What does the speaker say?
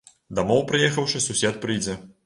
Дамоў прыехаўшы, сусед прыйдзе.